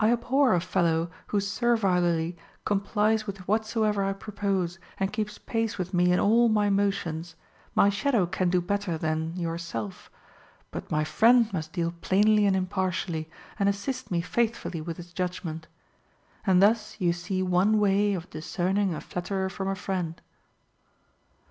* I abhor a fellow who servilely complies with whatsoever I propose, and keeps pace with me in all my motions, — my shadow can do that better than yourself, — but my friend must deal plainly and impartially, and assist me faithfully with his judgment. And thus you see one way of discern ing a flatterer from a friend.